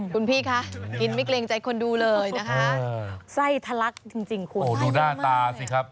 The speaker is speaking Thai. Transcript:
คุณพี่คะกินไม่เกรงใจคนดูเลยนะคะไส้ทะลักจริงคุณโอ้ดูหน้าตาสิครับ